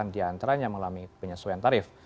delapan diantaranya mengalami penyesuaian tarif